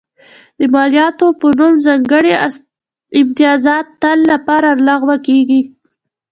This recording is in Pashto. د مالیاتو په نوم ځانګړي امتیازات تل لپاره لغوه کېږي.